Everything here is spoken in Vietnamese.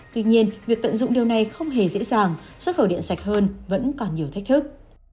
tuy nhiên việc tận dụng điều này không hề dễ dàng xuất khẩu điện sạch hơn vẫn còn nhiều thách thức